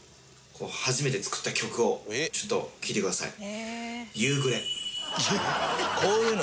初めて作った曲をちょっと聞いてください。